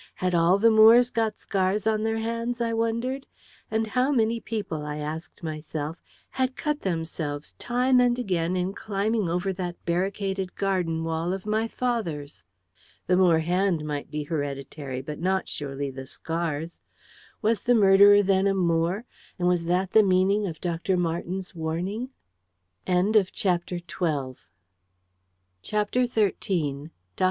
Had all the Moores got scars on their hands, I wondered? And how many people, I asked myself, had cut themselves time and again in climbing over that barricaded garden wall of my father's? The Moore hand might be hereditary, but not surely the scars. Was the murderer, then, a Moore, and was that the meaning of Dr. Marten's warning? CHAPTER XIII. DR.